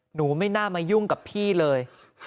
หนูไม่น่ามายุ่งกับพี่เลย